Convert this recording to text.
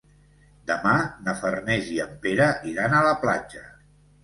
Demà na Farners i en Pere iran a la platja.